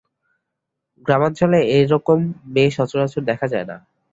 গ্রামাঞ্চলে এ-রকম মেয়ে সচরাচর দেখা যায় না।